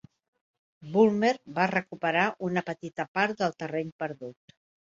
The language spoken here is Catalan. Bulmer va recuperar una petita part del terreny perdut.